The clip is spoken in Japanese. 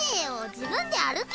自分で歩け。